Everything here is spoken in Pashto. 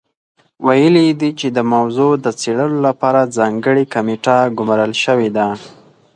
ویلي یې دي چې د موضوع د څېړلو لپاره ځانګړې کمېټه ګمارل شوې ده.